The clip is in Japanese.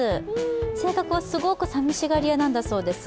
性格はすごくさみしがり屋なんだそうです。